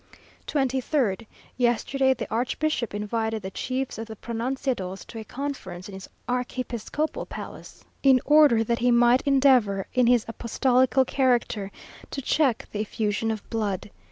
23rd. Yesterday the archbishop invited the chiefs of the pronunciados to a conference in his archiepiscopal palace, in order that he might endeavour, in his apostolical character, to check the effusion of blood.